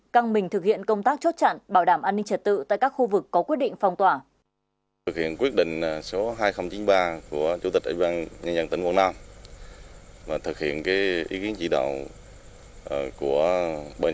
căng mình thực hiện công tác chốt chặn bảo đảm an ninh trật tự tại các khu vực có quyết định phong tỏa